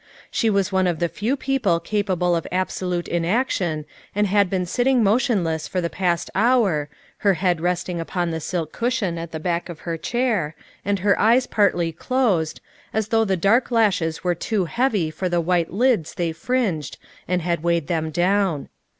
She was one of the few people capable of absolute inaction and had been sitting motionless for the past hour, her head resting upon the silk cushion at the back of her chair and her eyes partly closed, as though the dark lashes were too heavy for the white lids they fringed and had weighed them down.